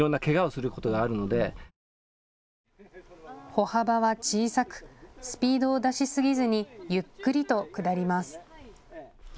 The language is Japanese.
歩幅は小さく、スピードを出しすぎずにゆっくりと下ります。